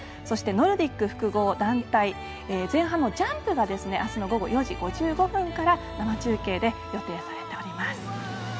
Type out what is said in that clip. そして、ノルディック複合団体前半のジャンプがあすの午後４時５５分から生中継で予定されております。